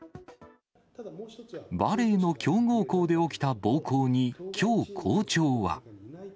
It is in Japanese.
バレーの強豪校で起きた暴行にきょう、校長は。